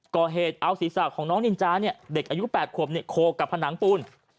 ก็เอาศีรษะของน้องนินจาห์เนี้ยอายุ๘ครบโกกกับผนังปูน